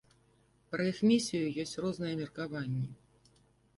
Пра іх місію ёсць розныя меркаванні.